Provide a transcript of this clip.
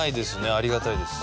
ありがたいです